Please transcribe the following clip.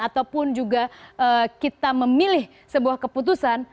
ataupun juga kita memilih sebuah keputusan